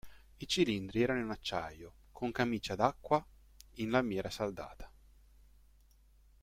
I cilindri erano in acciaio, con camicia d'acqua in lamiera saldata.